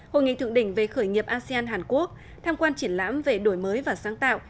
hội nghị thượng đỉnh về khởi nghiệp asean hàn quốc tham quan triển lãm về đổi mới và sáng tạo